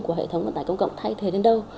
của hệ thống vận tải công cộng thay thế đến đâu